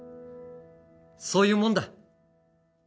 そういうもんだ